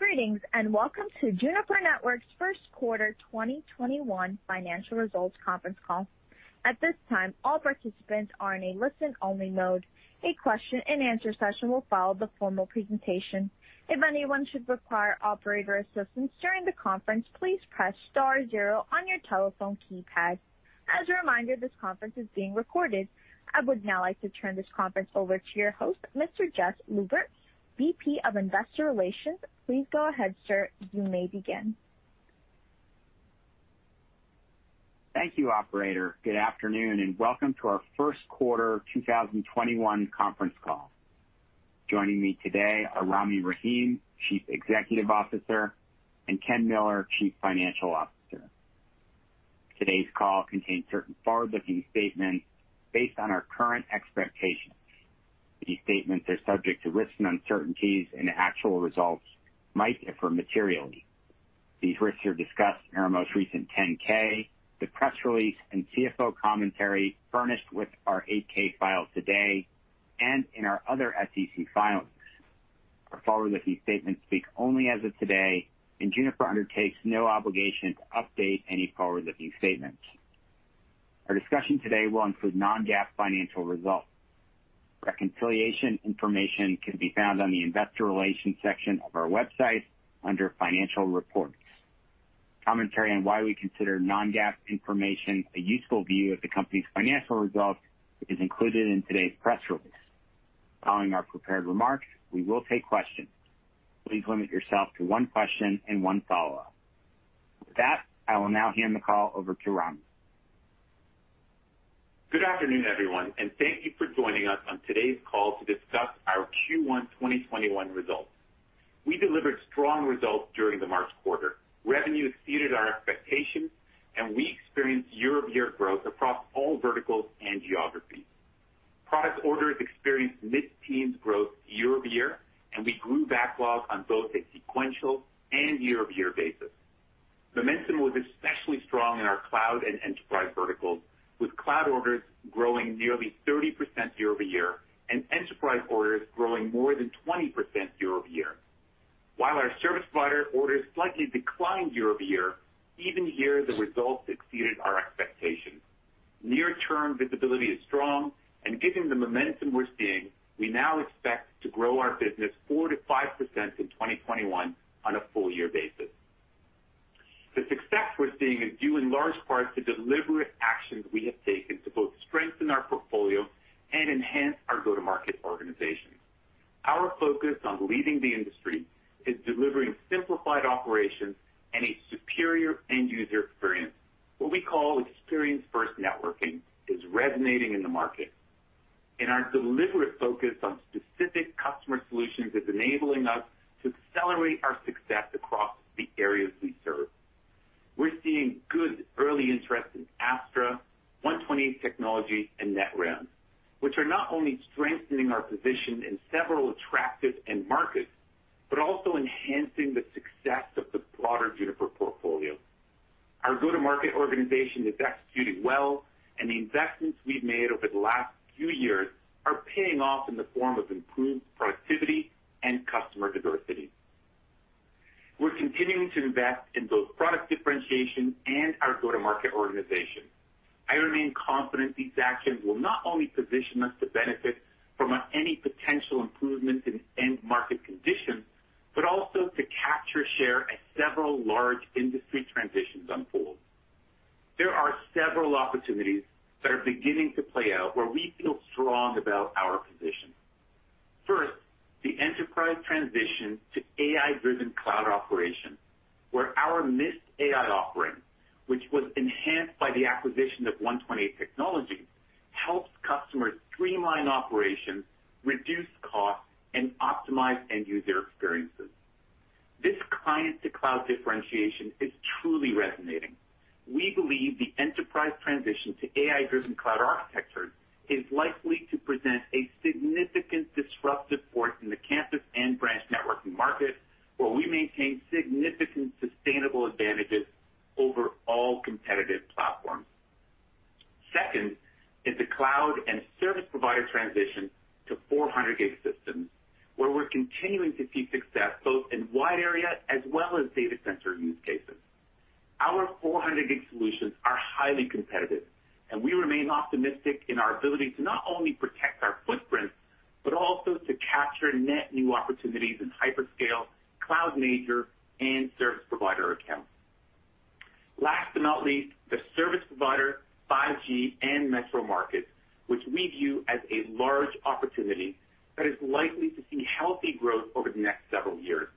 Greetings, and Welcome to Juniper Networks' first quarter 2021 financial results conference call. At this time, all participants are in a listen-only mode. A question-and-answer session will follow the formal presentation. If anyone should require operator assistance during the conference, please press star zero on your telephone keypad. As a reminder, this conference is being recorded. I would now like to turn this conference over to your host, Mr. Jess Lubert, VP of Investor Relations. Please go ahead, sir. You may begin. Thank you, operator. Good afternoon, and Welcome to our first quarter 2021 conference call. Joining me today are Rami Rahim, Chief Executive Officer, and Ken Miller, Chief Financial Officer. Today's call contains certain forward-looking statements based on our current expectations. These statements are subject to risks and uncertainties, and actual results might differ materially. These risks are discussed in our most recent 10-K, the press release, and CFO commentary furnished with our 8-K filed today and in our other SEC filings. Our forward-looking statements speak only as of today, and Juniper undertakes no obligation to update any forward-looking statements. Our discussion today will include non-GAAP financial results. Reconciliation information can be found on the Investor Relations section of our website under Financial Reports. Commentary on why we consider non-GAAP information a useful view of the company's financial results is included in today's press release. Following our prepared remarks, we will take questions. Please limit yourself to one question and one follow-up. With that, I will now hand the call over to Rami. Good afternoon, everyone, and thank you for joining us on today's call to discuss our Q1 2021 results. We delivered strong results during the March quarter. Revenue exceeded our expectations, and we experienced year-over-year growth across all verticals and geographies. Product orders experienced mid-teens growth year-over-year, and we grew backlog on both a sequential and year-over-year basis. Momentum was especially strong in our cloud and enterprise verticals, with cloud orders growing nearly 30% year-over-year and enterprise orders growing more than 20% year-over-year. While our service provider orders slightly declined year-over-year, even here, the results exceeded our expectations. Near-term visibility is strong, and given the momentum we're seeing, we now expect to grow our business 4%-5% in 2021 on a full-year basis. The success we're seeing is due in large part to deliberate actions we have taken to both strengthen our portfolio and enhance our go-to-market organization. Our focus on leading the industry is delivering simplified operations and a superior end-user experience. What we call experience-first networking is resonating in the market, and our deliberate focus on specific customer solutions is enabling us to accelerate our success across the areas we serve. We're seeing good early interest in Apstra, 128 Technology, and Netrounds, which are not only strengthening our position in several attractive end markets, but also enhancing the success of the broader Juniper portfolio. Our go-to-market organization is executing well, and the investments we've made over the last few years are paying off in the form of improved productivity and customer diversity. We're continuing to invest in both product differentiation and our go-to-market organization. I remain confident these actions will not only position us to benefit from any potential improvements in end market conditions, but also to capture share as several large industry transitions unfold. There are several opportunities that are beginning to play out where we feel strong about our position. First, the enterprise transition to AI-driven cloud operations, where our Mist AI offering, which was enhanced by the acquisition of 128 Technology, helps customers streamline operations, reduce costs, and optimize end-user experiences. This client-to-cloud differentiation is truly resonating. We believe the enterprise transition to AI-driven cloud architecture is likely to present a significant disruptive force in the campus and branch networking market, where we maintain significant sustainable advantages over all competitive platforms. Second is the cloud and service provider transition to 400G systems, where we're continuing to see success both in wide area as well as data center use cases. Our 400G solutions are highly competitive, and we remain optimistic in our ability to not only protect our footprint, but also to capture net new opportunities in hyperscale, cloud major, and service provider accounts. Last but not least, the service provider 5G and metro markets, which we view as a large opportunity that is likely to see healthy growth over the next several years.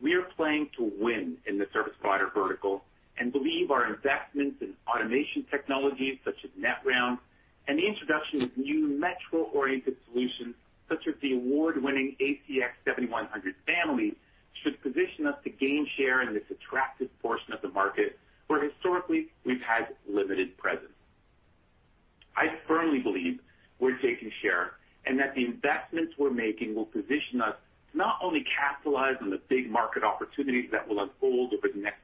We are playing to win in the service provider vertical and believe our investments in automation technologies such as Netrounds and the introduction of new metro-oriented solutions such as the award-winning ACX7100 family should position us to gain share in this attractive portion of the market where historically we've had limited presence. I firmly believe we're taking share and that the investments we're making will position us to not only capitalize on the big market opportunities that will unfold over the next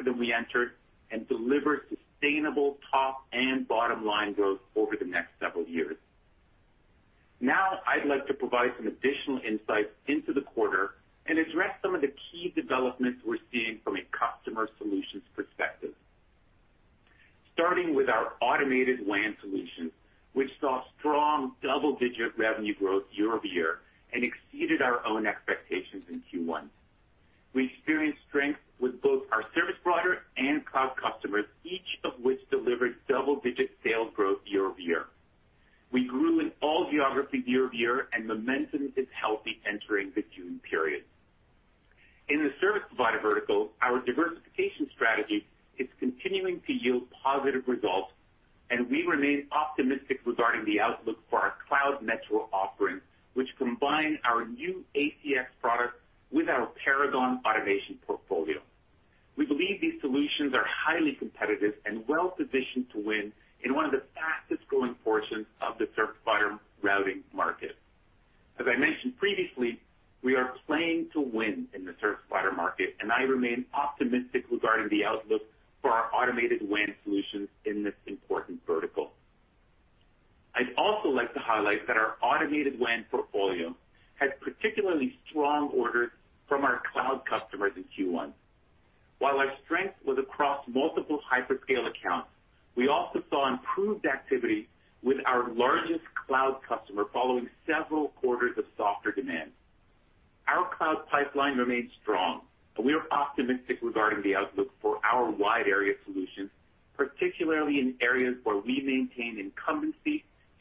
few years, but also to see broader market success that decreases our sensitivity to macro trends. We believe our plans will enable us to emerge from the pandemic stronger than we entered and deliver sustainable top and bottom-line growth over the next several years. Now I'd like to provide some additional insights into the quarter and address some of the key developments we're seeing from a customer solutions perspective. Starting with our Automated WAN solutions, which saw strong double-digit revenue growth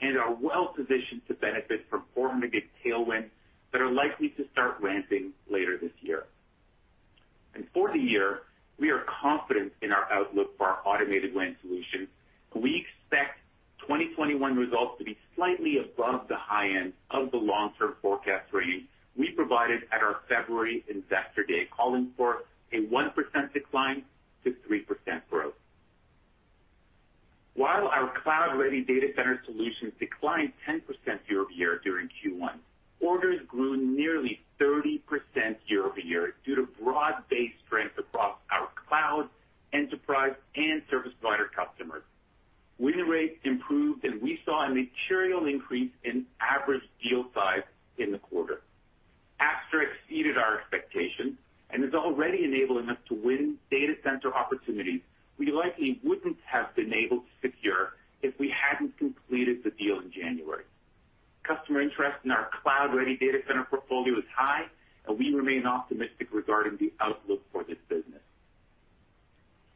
and are well positioned to benefit from 400G tailwinds that are likely to start ramping later this year. For the year, we are confident in our outlook for our Automated WAN solutions, and we expect 2021 results to be slightly above the high end of the long-term forecast range we provided at our February investor day, calling for a 1% decline to 3% growth. While our Cloud-Ready Data Center solutions declined 10% year-over-year during Q1, orders grew nearly 30% year-over-year due to broad-based strength across our cloud, enterprise, and service provider customers. Win rates improved, and we saw a material increase in average deal size in the quarter. Apstra exceeded our expectations and is already enabling us to win data center opportunities we likely wouldn't have been able to secure if we hadn't completed the deal in January. Customer interest in our Cloud-Ready Data Center portfolio is high, and we remain optimistic regarding the outlook for this business.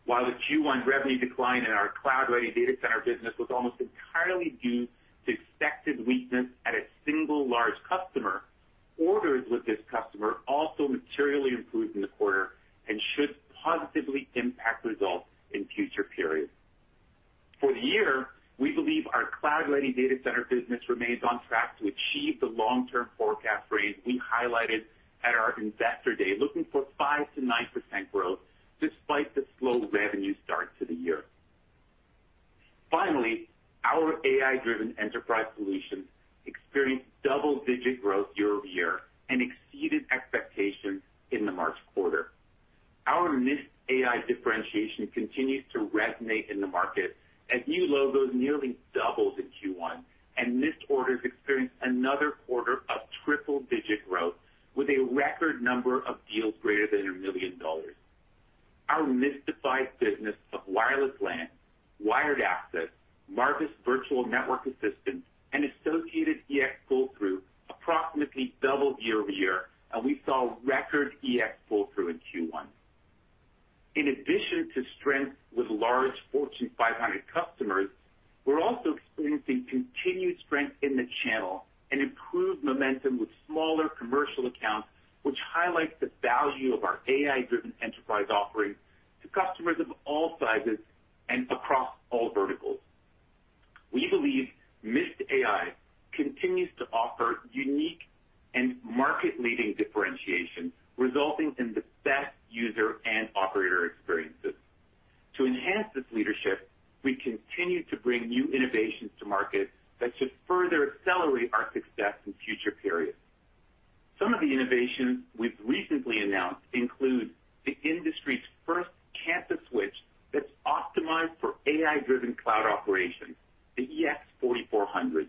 While the Q1 revenue decline in our Cloud-Ready Data Center business was almost entirely due to expected weakness at a single large customer, orders with this customer also materially improved in the quarter and should positively impact results in future periods. For the year, we believe our Cloud-Ready Data Center business remains on track to achieve the long-term forecast range we highlighted at our investor day, looking for 5%-9% growth despite the slow revenue start to the year. Finally, our AI-driven enterprise solutions experienced double-digit growth year-over-year and exceeded expectations in the March quarter. Our Mist AI differentiation continues to resonate in the market as new logos nearly doubled in Q1, and Mist orders experienced another quarter of triple-digit growth with a record number of deals greater than $1 million. Our Mistified business of Wireless LAN, wired access, Marvis Virtual Network Assistant, and associated EX pull-through approximately doubled year-over-year, and we saw record EX pull-through in Q1. In addition to strength with large Fortune 500 customers, we're also experiencing continued strength in the channel and improved momentum with smaller commercial accounts, which highlights the value of our AI-driven enterprise offerings to customers of all sizes and across all verticals. We believe Mist AI continues to offer unique and market-leading differentiation, resulting in the best user and operator experiences. To enhance this leadership, we continue to bring new innovations to market that should further accelerate our success in future periods. Some of the innovations we've recently announced include the industry's first campus switch that's optimized for AI-driven cloud operations, the EX4400,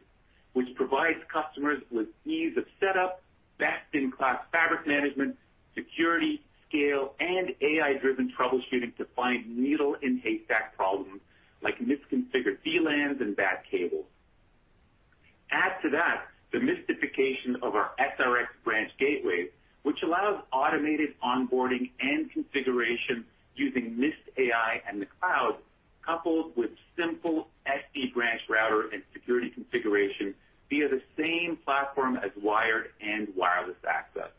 which provides customers with ease of setup, best-in-class fabric management, security, scale, and AI-driven troubleshooting to find needle-in-haystack problems like misconfigured VLANs and bad cables. Add to that the Mistification of our SRX branch gateways, which allows automated onboarding and configuration using Mist AI and the cloud, coupled with simple SD-Branch router and security configuration via the same platform as wired and wireless access.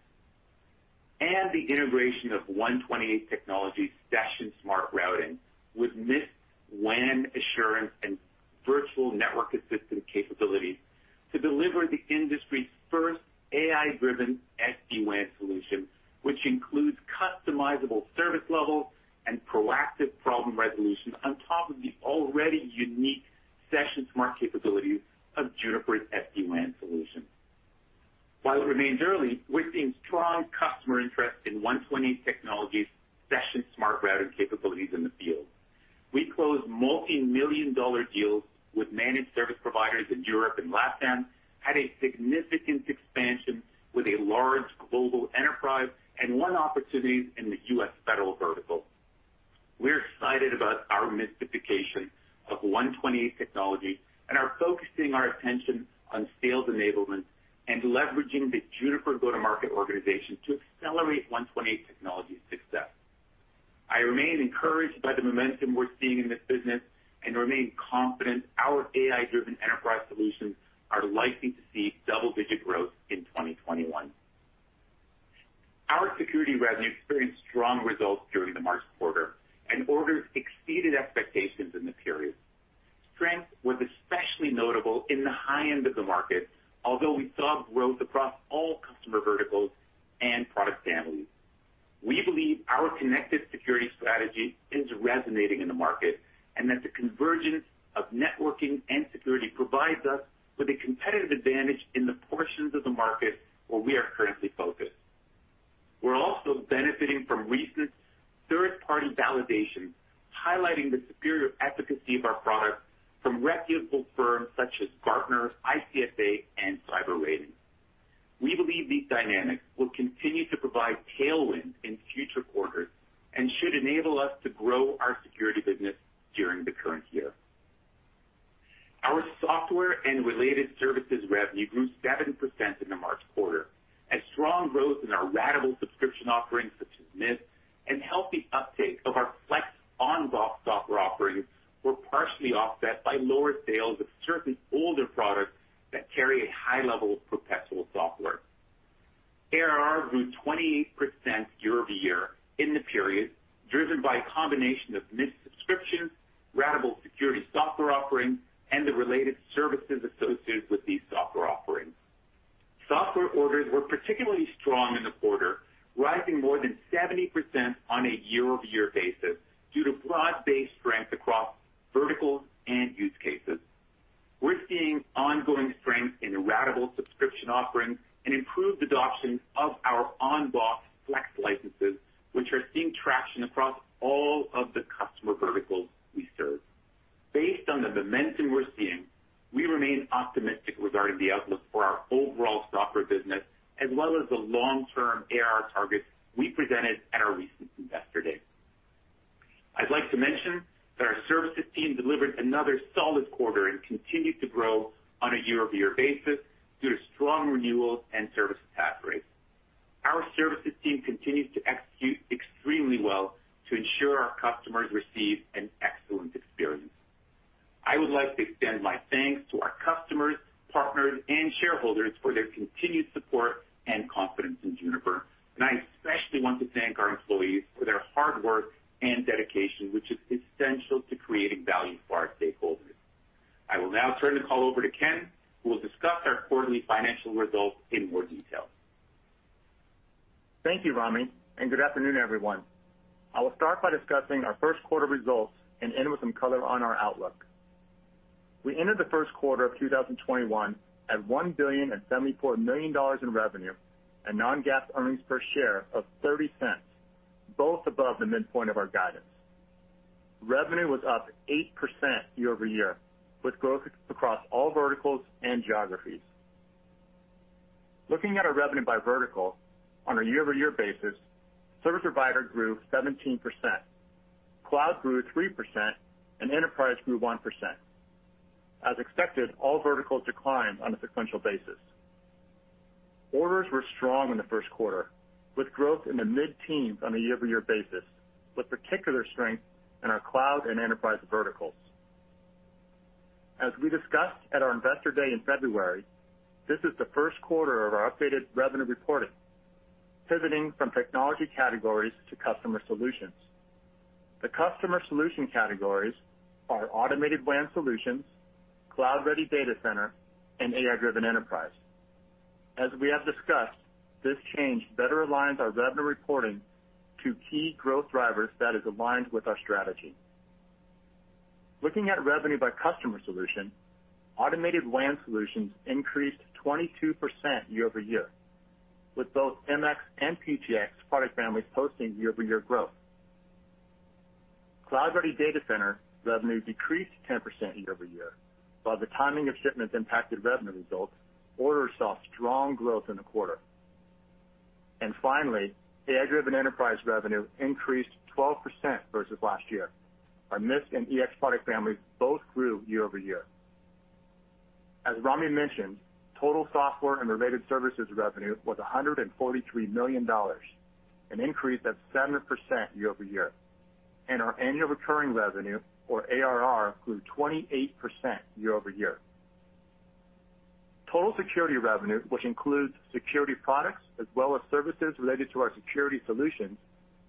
The integration of 128 Technology's Session Smart Routing with Mist WAN Assurance and Virtual Network Assistant capabilities to deliver the industry's first AI-driven SD-WAN solution, which includes customizable service levels and proactive problem resolution on top of the already unique Session Smart capabilities of Juniper SD-WAN solution. While it remains early, we're seeing strong customer interest in 128 Technology's Session Smart Routing capabilities in the field. We closed multimillion-dollar deals with managed service providers in Europe and LATAM, had a significant expansion with a large global enterprise, and won opportunities in the U.S. federal vertical. We're excited about our Mistification of 128 Technology and are focusing our attention on sales enablement and leveraging the Juniper go-to-market organization to accelerate 128 Technology success. I remain encouraged by the momentum we're seeing in this business and remain confident our AI-driven enterprise solutions are likely to see double-digit growth in 2021. Our security revenue experienced strong results during the March quarter. Orders exceeded expectations in the period. Strength was especially notable in the high end of the market, although we saw growth across all customer verticals and product families. We believe our connected security strategy is resonating in the market, and that the convergence of networking and security provides us with a competitive advantage in the portions of the market where we are currently focused. We're also benefiting from recent third-party validations, highlighting the superior efficacy of our products from reputable firms such as Gartner, ICSA Labs, and CyberRatings.org. We believe these dynamics will continue to provide tailwind in future quarters and should enable us to grow our security business during the current year. Our software and related services revenue grew 7% in the March quarter as strong growth in our ratable subscription offerings such as Mist and healthy uptakes of our Juniper Flex on-box software offerings were partially offset by lower sales of certain older products that carry a high level of perpetual software. ARR grew 28% year-over-year in the period, driven by a combination of Mist subscriptions, ratable security software offerings, and the related services associated with these software offerings. Software orders were particularly strong in the quarter, rising more than 70% on a year-over-year basis due to broad-based strength across verticals and use cases. We're seeing ongoing strength in ratable subscription offerings and improved adoption of our on-box Flex licenses, which are seeing traction across all of the customer verticals we serve. Based on the momentum we're seeing, we remain optimistic regarding the outlook for our overall software business as well as the long-term ARR targets we presented at our recent Investor Day. I'd like to mention that our services team delivered another solid quarter and continued to grow on a year-over-year basis due to strong renewals and services task rates. Our services team continues to execute extremely well to ensure our customers receive an excellent experience. I would like to extend my thanks to our customers, partners, and shareholders for their continued support and confidence in Juniper. I especially want to thank our employees for their hard work and dedication, which is essential to creating value for our stakeholders. I will now turn the call over to Ken, who will discuss our quarterly financial results in more detail. Thank you, Rami, and good afternoon, everyone. I will start by discussing our first quarter results and end with some color on our outlook. We entered the first quarter of 2021 at $1.074 billion in revenue and non-GAAP earnings per share of $0.30, both above the midpoint of our guidance. Revenue was up 8% year-over-year, with growth across all verticals and geographies. Looking at our revenue by vertical on a year-over-year basis, service provider grew 17%, cloud grew 3%, and enterprise grew 1%. As expected, all verticals declined on a sequential basis. Orders were strong in the first quarter with growth in the mid-teens on a year-over-year basis, with particular strength in our cloud and enterprise verticals. As we discussed at our Investor Day in February, this is the first quarter of our updated revenue reporting, pivoting from technology categories to customer solutions. The customer solution categories are Automated WAN solutions, Cloud-Ready Data Center, and AI-Driven Enterprise. As we have discussed, this change better aligns our revenue reporting to key growth drivers that is aligned with our strategy. Looking at revenue by customer solution, Automated WAN solutions increased 22% year-over-year, with both MX and PTX product families posting year-over-year growth. Cloud-Ready Data Center revenue decreased 10% year-over-year. While the timing of shipments impacted revenue results, orders saw strong growth in the quarter. Finally, AI-driven enterprise revenue increased 12% versus last year. Our Mist and EX product families both grew year-over-year. As Rami mentioned, total software and related services revenue was $143 million, an increase of 7% year-over-year. Our Annual Recurring Revenue, or ARR, grew 28% year-over-year. Total security revenue, which includes security products as well as services related to our security solutions,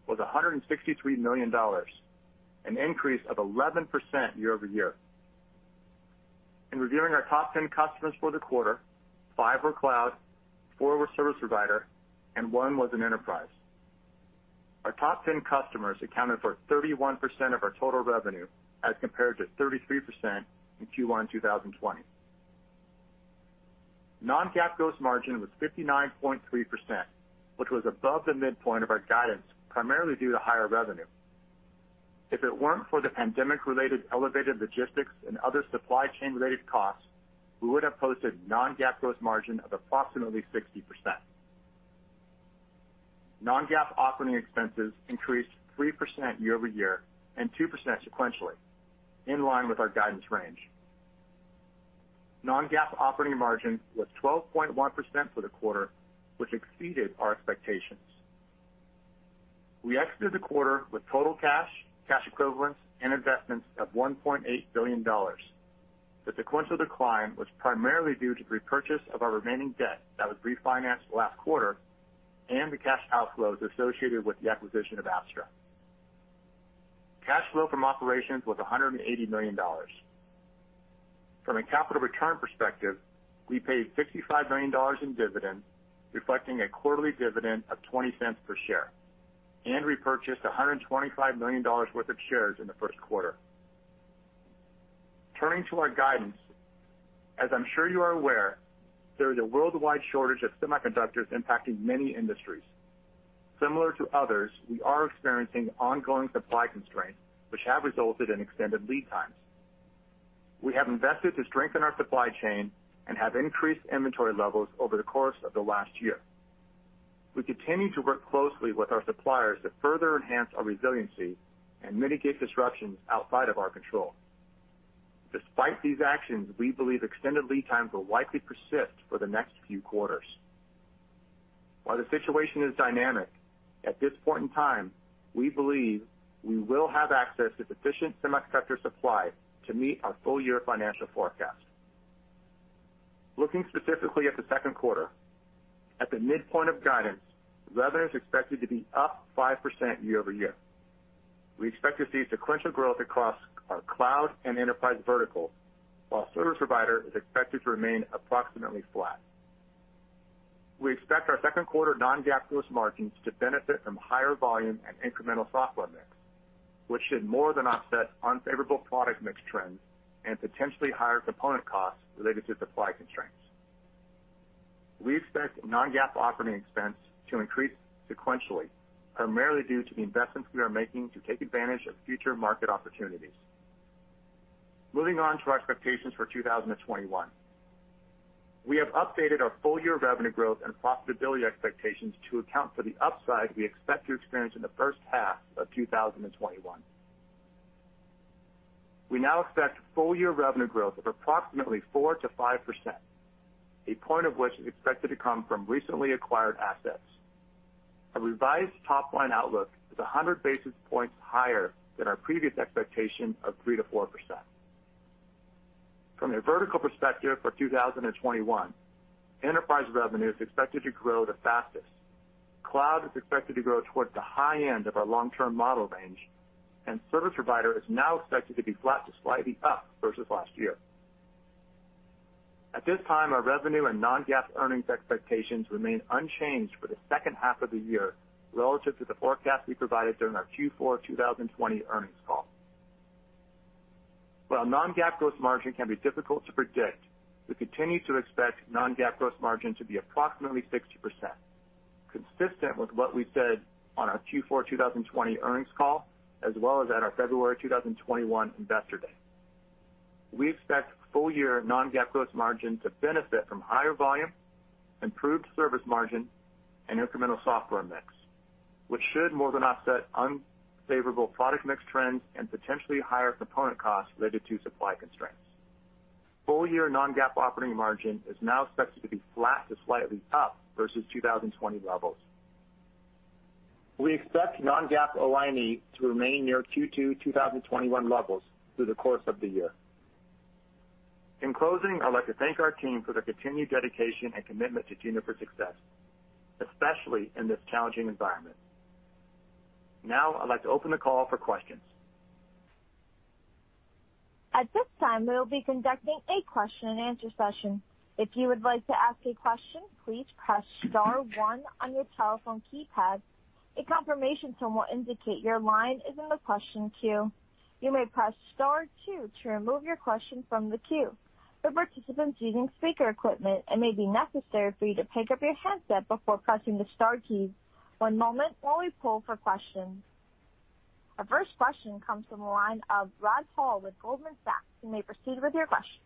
was $163 million, an increase of 11% year-over-year. In reviewing our top 10 customers for the quarter, five were cloud, four were service provider, and one was an enterprise. Our top 10 customers accounted for 31% of our total revenue as compared to 33% in Q1 2020. Non-GAAP gross margin was 59.3%, which was above the midpoint of our guidance, primarily due to higher revenue. If it weren't for the pandemic-related elevated logistics and other supply chain-related costs, we would have posted non-GAAP gross margin of approximately 60%. Non-GAAP operating expenses increased 3% year-over-year and 2% sequentially, in line with our guidance range. Non-GAAP operating margin was 12.1% for the quarter, which exceeded our expectations. We exited the quarter with total cash equivalents, and investments of $1.8 billion. The sequential decline was primarily due to the repurchase of our remaining debt that was refinanced last quarter and the cash outflows associated with the acquisition of Apstra. Cash flow from operations was $180 million. From a capital return perspective, we paid $65 million in dividends, reflecting a quarterly dividend of $0.20 per share, and repurchased $125 million worth of shares in the first quarter. Turning to our guidance. As I'm sure you are aware, there is a worldwide shortage of semiconductors impacting many industries. Similar to others, we are experiencing ongoing supply constraints, which have resulted in extended lead times. We have invested to strengthen our supply chain and have increased inventory levels over the course of the last year. We continue to work closely with our suppliers to further enhance our resiliency and mitigate disruptions outside of our control. Despite these actions, we believe extended lead times will likely persist for the next few quarters. While the situation is dynamic, at this point in time, we believe we will have access to sufficient semiconductor supply to meet our full-year financial forecast. Looking specifically at the second quarter, at the midpoint of guidance, revenue is expected to be up 5% year-over-year. We expect to see sequential growth across our cloud and enterprise verticals, while service provider is expected to remain approximately flat. We expect our second quarter non-GAAP gross margins to benefit from higher volume and incremental software mix, which should more than offset unfavorable product mix trends and potentially higher component costs related to supply constraints. We expect non-GAAP operating expense to increase sequentially, primarily due to the investments we are making to take advantage of future market opportunities. Moving on to our expectations for 2021. We have updated our full-year revenue growth and profitability expectations to account for the upside we expect to experience in the first half of 2021. We now expect full-year revenue growth of approximately 4%-5%, one point of which is expected to come from recently acquired assets. A revised top-line outlook is 100 basis points higher than our previous expectation of 3%-4%. From a vertical perspective for 2021, enterprise revenue is expected to grow the fastest. Cloud is expected to grow towards the high end of our long-term model range, and service provider is now expected to be flat to slightly up versus last year. At this time, our revenue and non-GAAP earnings expectations remain unchanged for the second half of the year relative to the forecast we provided during our Q4 2020 earnings call. While non-GAAP gross margin can be difficult to predict, we continue to expect non-GAAP gross margin to be approximately 60%, consistent with what we said on our Q4 2020 earnings call as well as at our February 2021 investor day. We expect full-year non-GAAP gross margin to benefit from higher volume, improved service margin, and incremental software mix, which should more than offset unfavorable product mix trends and potentially higher component costs related to supply constraints. Full-year non-GAAP operating margin is now expected to be flat to slightly up versus 2020 levels. We expect non-GAAP OI&E to remain near Q2 2021 levels through the course of the year. In closing, I'd like to thank our team for their continued dedication and commitment to Juniper's success, especially in this challenging environment. Now, I'd like to open the call for questions. At this time we will be conducting a question-and-answer session. If you would like to ask a question, please press star one on your telephone keypad. A confirmation tone will indicate your line is in the question queue. You may press star two to remove your question from the queue. For participants using speaker equipment, it may be necessary for you to pick up your handset before pressing the star key. One moment while we poll for questions. Our first question comes from the line of Rod Hall with Goldman Sachs. You may proceed with your question.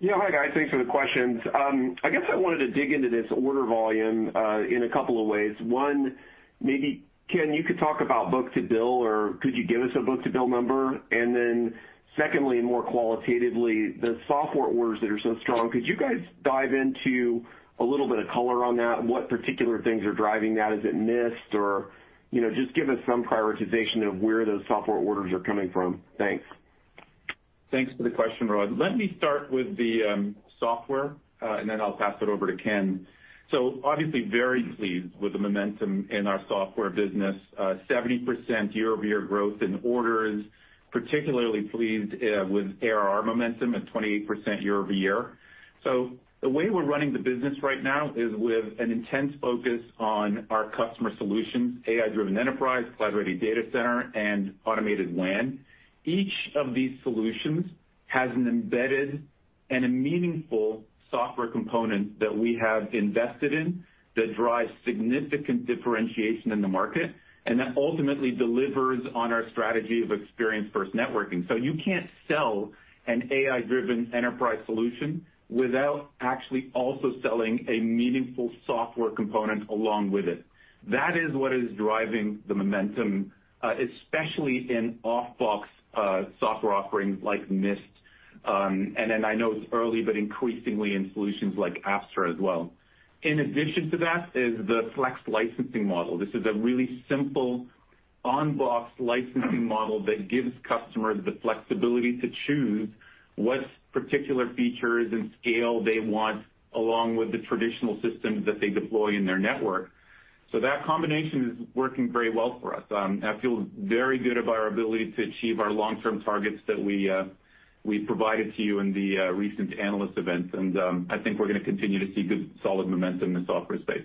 Yeah. Hi, guys. Thanks for the questions. I guess I wanted to dig into this order volume, in a couple of ways. One, maybe, Ken, you could talk about book-to-bill, or could you give us a book-to-bill number? Secondly, and more qualitatively, the software orders that are so strong, could you guys dive into a little bit of color on that and what particular things are driving that? Is it Mist? Just give us some prioritization of where those software orders are coming from. Thanks. Thanks for the question, Rod. Let me start with the software, and then I'll pass it over to Ken. Obviously, very pleased with the momentum in our software business. 70% year-over-year growth in orders. Particularly pleased with ARR momentum at 28% year-over-year. The way we're running the business right now is with an intense focus on our customer solutions, AI-Driven Enterprise, Cloud-Ready Data Center, and Automated WAN. Each of these solutions has an embedded and a meaningful software component that we have invested in that drives significant differentiation in the market, and that ultimately delivers on our strategy of experience-first networking. You can't sell an AI-Driven Enterprise solution without actually also selling a meaningful software component along with it. That is what is driving the momentum, especially in off-box software offerings like Mist. I know it's early, but increasingly in solutions like Apstra as well. In addition to that is the Flex Licensing Model. This is a really simple on-box licensing model that gives customers the flexibility to choose what particular features and scale they want, along with the traditional systems that they deploy in their network. That combination is working very well for us. I feel very good about our ability to achieve our long-term targets that we provided to you in the recent analyst events. I think we're going to continue to see good, solid momentum in the software space.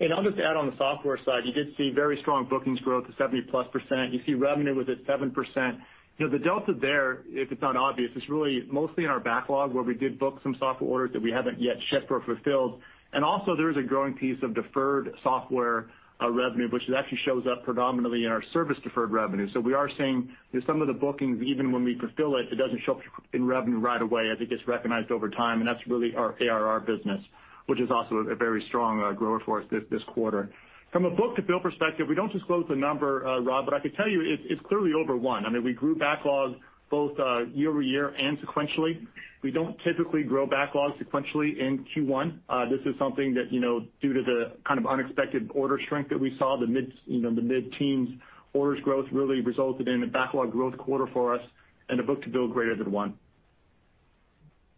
I'll just add on the software side, you did see very strong bookings growth of 70%+. You see revenue was at 7%. The delta there, if it's not obvious, is really mostly in our backlog, where we did book some software orders that we haven't yet shipped or fulfilled. Also, there is a growing piece of deferred software revenue, which actually shows up predominantly in our service-deferred revenue. We are seeing some of the bookings, even when we fulfill it doesn't show up in revenue right away as it gets recognized over time, and that's really our ARR business, which is also a very strong grower for us this quarter. From a book-to-bill perspective, we don't disclose the number, Rod, but I could tell you it's clearly over one. I mean, we grew backlog both year-over-year and sequentially. We don't typically grow backlog sequentially in Q1. This is something that due to the kind of unexpected order strength that we saw, the mid-teens orders growth really resulted in a backlog growth quarter for us and a book-to-bill greater than one.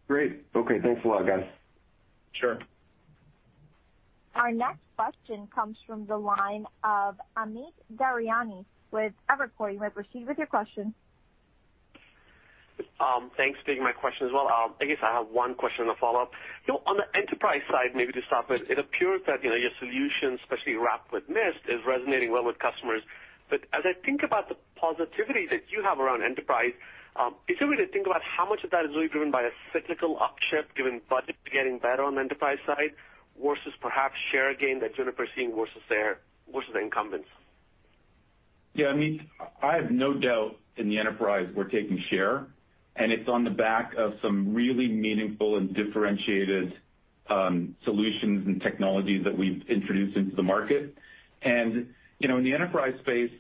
Great. Okay. Thanks a lot, guys. Sure. Our next question comes from the line of Amit Daryanani with Evercore ISI. You may proceed with your question. Thanks for taking my question as well. I guess I have one question to follow up. On the enterprise side, maybe to start with, it appeared that your solution, especially wrapped with Mist, is resonating well with customers. As I think about the positivity that you have around enterprise, if you were to think about how much of that is really driven by a cyclical upshift given budget getting better on the enterprise side versus perhaps share gain that Juniper is seeing versus their incumbents. Yeah, Amit, I have no doubt in the enterprise we're taking share, and it's on the back of some really meaningful and differentiated solutions and technologies that we've introduced into the market. In the enterprise space,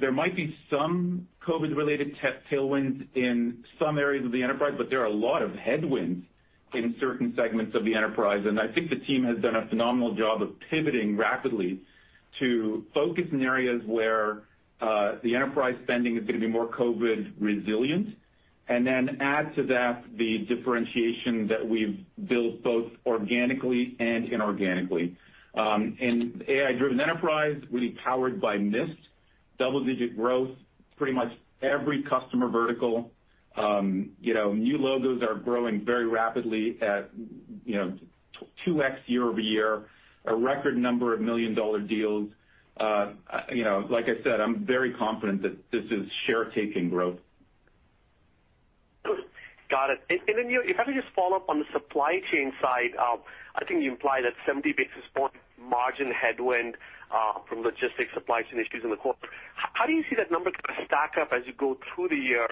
there might be some COVID-related tailwinds in some areas of the enterprise, but there are a lot of headwinds in certain segments of the enterprise. I think the team has done a phenomenal job of pivoting rapidly to focus in areas where the enterprise spending is going to be more COVID resilient, and then add to that the differentiation that we've built both organically and inorganically. In AI-Driven Enterprise, really powered by Mist, double-digit growth, pretty much every customer vertical. New logos are growing very rapidly at 2x year-over-year, a record number of million-dollar deals. Like I said, I'm very confident that this is share taking growth. Got it. If I could just follow up on the supply chain side, I think you implied that 70 basis point margin headwind from logistics supply chain issues in the quarter. How do you see that number kind of stack up as you go through the year?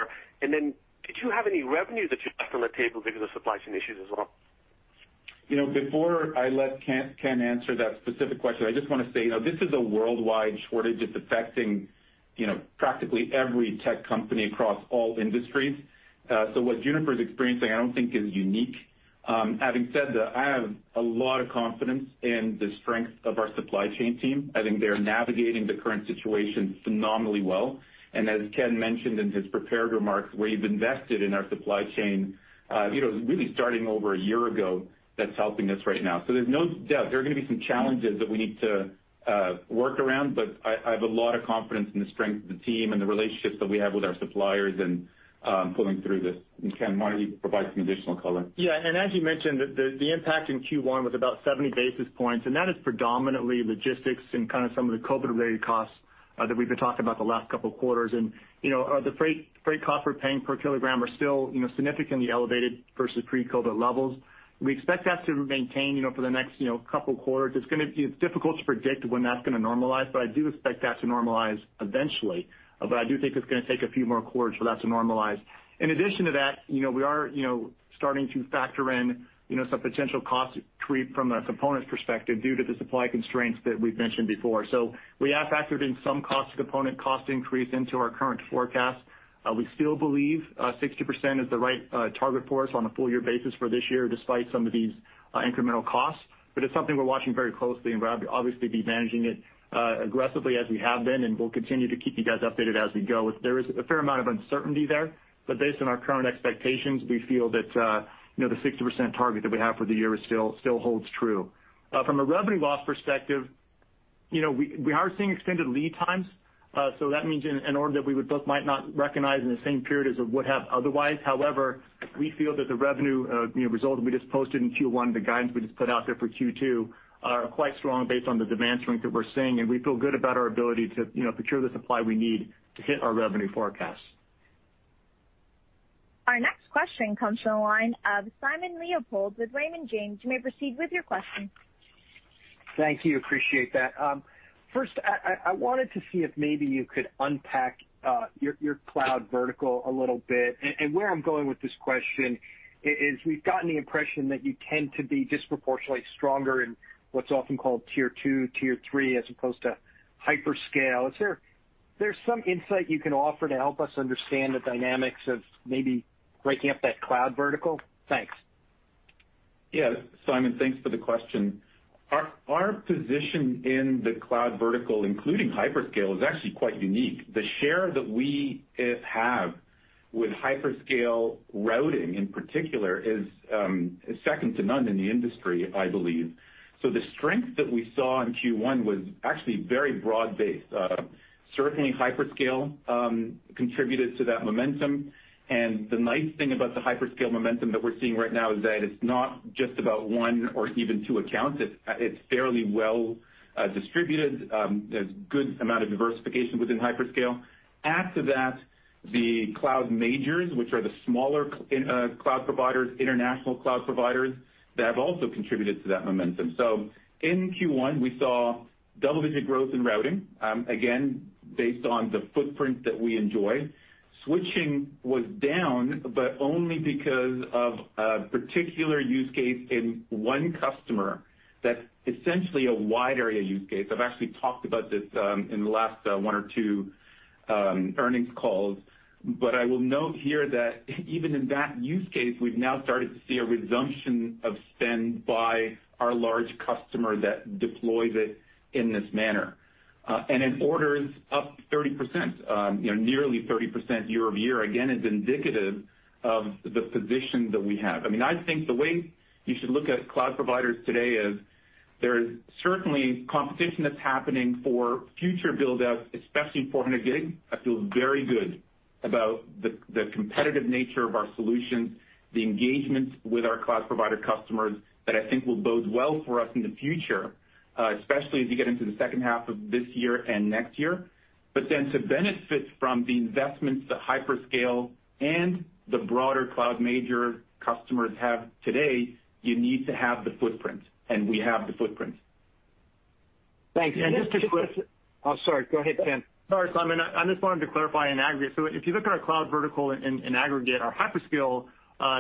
Did you have any revenue that you left on the table because of supply chain issues as well? Before I let Ken answer that specific question, I just want to say, this is a worldwide shortage. It's affecting practically every tech company across all industries. What Juniper is experiencing, I don't think is unique. Having said that, I have a lot of confidence in the strength of our supply chain team. I think they're navigating the current situation phenomenally well. As Ken mentioned in his prepared remarks, we've invested in our supply chain really starting over a year ago that's helping us right now. There's no doubt there are going to be some challenges that we need to work around, but I have a lot of confidence in the strength of the team and the relationships that we have with our suppliers in pulling through this. Ken, why don't you provide some additional color? Yeah. As you mentioned, the impact in Q1 was about 70 basis points, and that is predominantly logistics and kind of some of the COVID-related costs that we've been talking about the last couple of quarters. The freight costs we're paying per kilogram are still significantly elevated versus pre-COVID levels. We expect that to maintain for the next couple of quarters. It's difficult to predict when that's going to normalize, I do expect that to normalize eventually. I do think it's going to take a few more quarters for that to normalize. In addition to that, we are starting to factor in some potential cost increase from a component perspective due to the supply constraints that we've mentioned before. We have factored in some cost component, cost increase into our current forecast. We still believe 60% is the right target for us on a full-year basis for this year, despite some of these incremental costs. It's something we're watching very closely, and we'll obviously be managing it aggressively as we have been, and we'll continue to keep you guys updated as we go. There is a fair amount of uncertainty there. Based on our current expectations, we feel that the 60% target that we have for the year still holds true. From a revenue loss perspective. We are seeing extended lead times. That means an order that we both might not recognize in the same period as it would have otherwise. However we feel that the revenue result that we just posted in Q1, the guidance we just put out there for Q2 are quite strong based on the demand strength that we're seeing, and we feel good about our ability to procure the supply we need to hit our revenue forecast. Our next question comes from the line of Simon Leopold with Raymond James. You may proceed with your question. Thank you. Appreciate that. First, I wanted to see if maybe you could unpack your cloud vertical a little bit. And where I'm going with this question is we've gotten the impression that you tend to be disproportionately stronger in what's often called tier two, tier three, as opposed to hyperscale. Is there some insight you can offer to help us understand the dynamics of maybe breaking up that cloud vertical? Thanks. Yeah. Simon, thanks for the question. Our position in the cloud vertical, including hyperscale, is actually quite unique. The share that we have with hyperscale routing, in particular, is second to none in the industry, I believe. The strength that we saw in Q1 was actually very broad-based. Certainly, hyperscale contributed to that momentum. The nice thing about the hyperscale momentum that we're seeing right now is that it's not just about one or even two accounts. It's fairly well distributed. There's a good amount of diversification within hyperscale. Add to that, the cloud majors, which are the smaller cloud providers, international cloud providers, that have also contributed to that momentum. In Q1, we saw double-digit growth in routing, again, based on the footprint that we enjoy. Switching was down, but only because of a particular use case in one customer that's essentially a wide-area use case. I've actually talked about this in the last one or two earnings calls. I will note here that even in that use case, we've now started to see a resumption of spend by our large customer that deploys it in this manner. In orders up 30%, nearly 30% year-over-year, again, is indicative of the position that we have. I think the way you should look at cloud providers today is there is certainly competition that's happening for future build-outs, especially 400G. I feel very good about the competitive nature of our solutions, the engagements with our cloud provider customers that I think will bode well for us in the future, especially as we get into the second half of this year and next year. To benefit from the investments that hyperscale and the broader cloud major customers have today, you need to have the footprint. We have the footprint. Thanks. Just to clarify. Oh, sorry. Go ahead, Ken Miller. Sorry, Simon. I just wanted to clarify in aggregate. If you look at our cloud vertical in aggregate, our hyperscale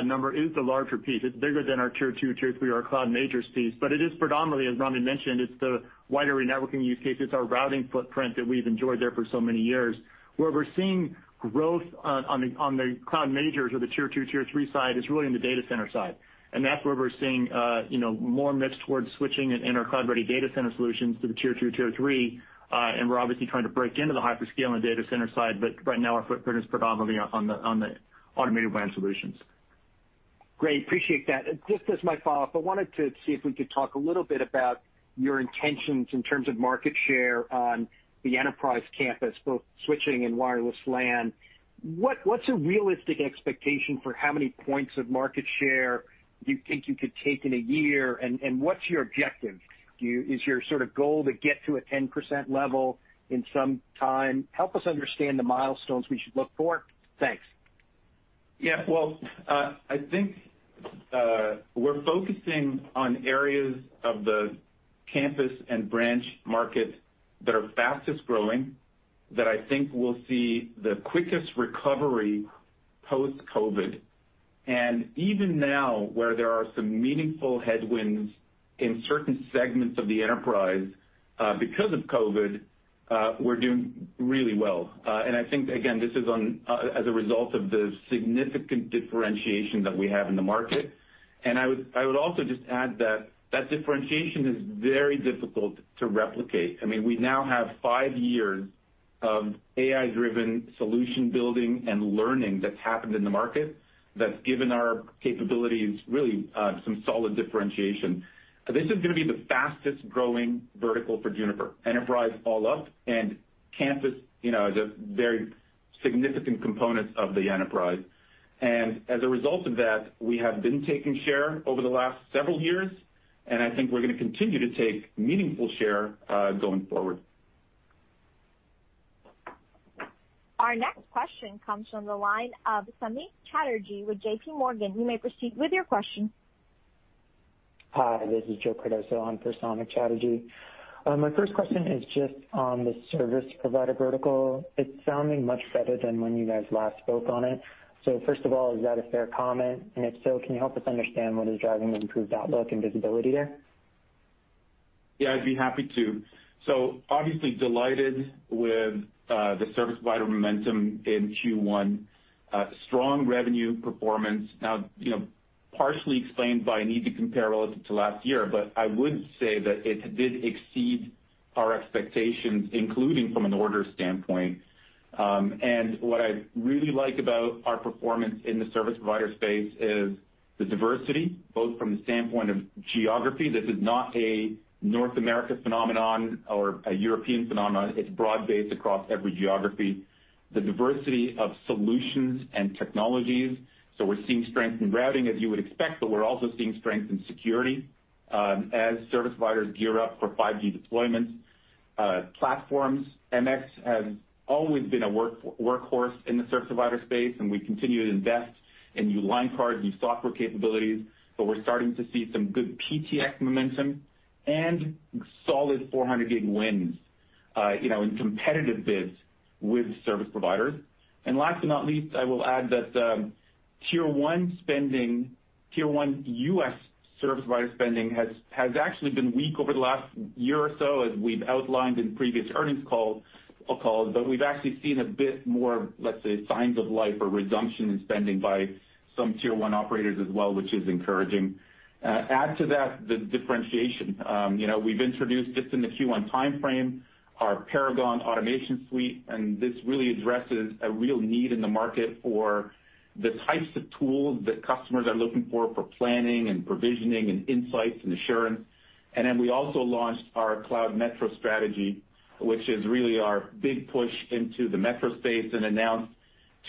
number is the larger piece. It's bigger than our tier two, tier three, our cloud majors piece. It is predominantly, as Rami mentioned, it's the wider networking use case. It's our routing footprint that we've enjoyed there for so many years. Where we're seeing growth on the cloud majors or the tier two, tier three side is really in the data center side. That's where we're seeing more mix towards switching and our Cloud-Ready Data Center solutions to the tier two, tier three. We're obviously trying to break into the hyperscale and data center side, but right now our footprint is predominantly on the Automated WAN solutions. Great. Appreciate that. Just as my follow-up, I wanted to see if we could talk a little bit about your intentions in terms of market share on the enterprise campus, both switching and Wireless LAN. What's a realistic expectation for how many points of market share you think you could take in a year, and what's your objective? Is your sort of goal to get to a 10% level in some time? Help us understand the milestones we should look for. Thanks. Yeah. Well, I think we're focusing on areas of the campus and branch market that are fastest growing that I think will see the quickest recovery post-COVID. Even now, where there are some meaningful headwinds in certain segments of the enterprise because of COVID, we're doing really well. I think, again, this is as a result of the significant differentiation that we have in the market. I would also just add that that differentiation is very difficult to replicate. We now have five years of AI-Driven solution building and learning that's happened in the market that's given our capabilities really some solid differentiation. This is going to be the fastest-growing vertical for Juniper, enterprise all up, and campus is a very significant component of the enterprise. As a result of that, we have been taking share over the last several years, and I think we're going to continue to take meaningful share going forward. Our next question comes from the line of Samik Chatterjee with JPMorgan. You may proceed with your question. Hi, this is Joseph Cardoso on for Samik Chatterjee. My first question is just on the service provider vertical. It's sounding much better than when you guys last spoke on it. First of all, is that a fair comment? If so, can you help us understand what is driving the improved outlook and visibility there? Yeah, I'd be happy to. Obviously delighted with the service provider momentum in Q1. Strong revenue performance. Partially explained by a need to compare relative to last year, I would say that it did exceed our expectations, including from an order standpoint. What I really like about our performance in the service provider space is the diversity, both from the standpoint of geography, this is not a North America phenomenon or a European phenomenon. It's broad-based across every geography. The diversity of solutions and technologies. We're seeing strength in routing, as you would expect, we're also seeing strength in security as service providers gear up for 5G deployments. Platforms, MX has always been a workhorse in the service provider space, and we continue to invest in new line cards, new software capabilities, but we're starting to see some good PTX momentum and solid 400G wins in competitive bids with service providers. Last but not least, I will add that tier one U.S. service provider spending has actually been weak over the last year or so, as we've outlined in previous earnings calls. We've actually seen a bit more, let's say, signs of life or resumption in spending by some tier one operators as well, which is encouraging. Add to that the differentiation. We've introduced just in the Q1 timeframe our Paragon Automation suite. This really addresses a real need in the market for the types of tools that customers are looking for planning and provisioning and insights and assurance. We also launched our Cloud Metro strategy, which is really our big push into the metro space, and announced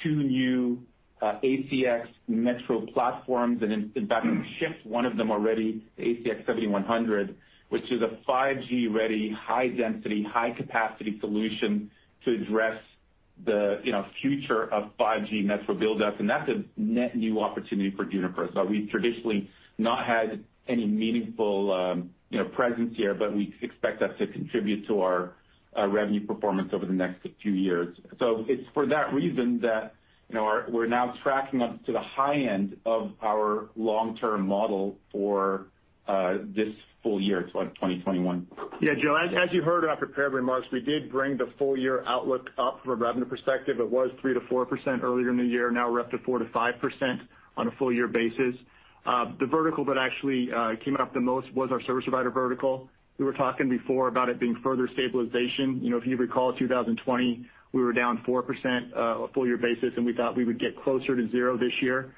two new ACX metro platforms and in fact, we've shipped one of them already, the ACX7100, which is a 5G-ready, high density, high capacity solution to address the future of 5G metro build-ups. That's a net new opportunity for Juniper. We've traditionally not had any meaningful presence here, but we expect that to contribute to our revenue performance over the next few years. It's for that reason that we're now tracking up to the high end of our long-term model for this full year 2021. Yeah, Joe, as you heard in our prepared remarks, we did bring the full-year outlook up from a revenue perspective. It was 3%-4% earlier in the year. Now we're up to 4%-5% on a full year basis. The vertical that actually came up the most was our service provider vertical. We were talking before about it being further stabilization. If you recall, 2020, we were down 4%, full year basis, and we thought we would get closer to zero this year,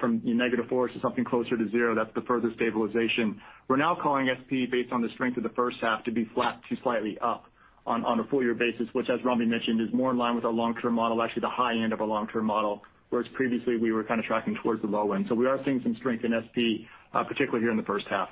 from -4% to something closer to zero. That's the further stabilization. We're now calling SP based on the strength of the first half to be flat to slightly up on a full year basis, which as Rami mentioned, is more in line with our long-term model, actually the high end of our long-term model, whereas previously we were kind of tracking towards the low end. We are seeing some strength in SP, particularly here in the first half.